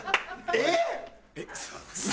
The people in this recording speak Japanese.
えっ！